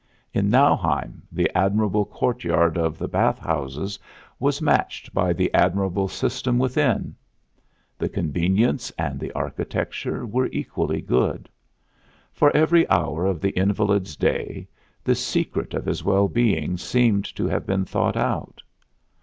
In Nauheim the admirable courtyard of the bathhouses was matched by the admirable system within. The convenience and the architecture were equally good. For every hour of the invalid's day the secret of his well being seemed to have been thought out.